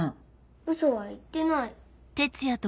ウソは言ってない。